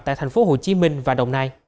tại tp hcm và đồng nai